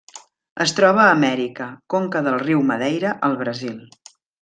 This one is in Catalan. Es troba a Amèrica: conca del riu Madeira al Brasil.